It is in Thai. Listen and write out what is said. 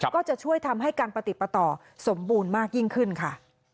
ก็จะช่วยทำให้การปฏิปต่อสมบูรณ์มากยิ่งขึ้นค่ะ